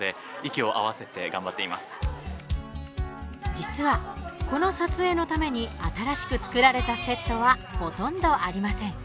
実は、この撮影のために新しく作られたセットはほとんどありません。